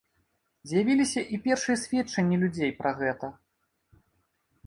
З'явіліся і першыя сведчанні людзей пра гэта.